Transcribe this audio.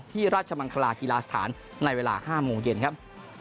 ราชมังคลากีฬาสถานในเวลา๕โมงเย็นครับ